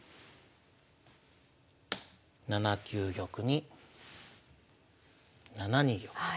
７九玉に７二玉と。